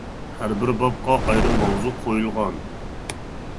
ھەر بىر بابقا ئايرىم ماۋزۇ قويۇلغان.